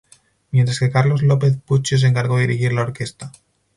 Mientras que Carlos López Puccio se encargó de dirigir la Orquesta.